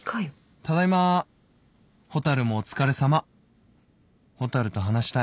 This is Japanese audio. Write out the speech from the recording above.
「ただいま」「蛍もお疲れ様」「蛍と話したい」